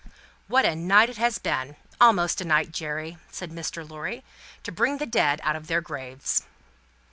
"What a night it has been! Almost a night, Jerry," said Mr. Lorry, "to bring the dead out of their graves."